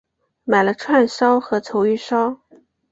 买了串烧和鲷鱼烧